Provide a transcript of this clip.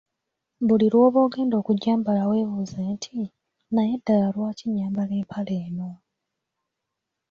Buli lw’oba ogenda okugyambala weebuuze nti, “Naye ddala lwaki nyambala empale eno?